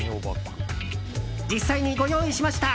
実際にご用意しました。